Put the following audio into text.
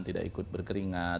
tidak ikut berkeringat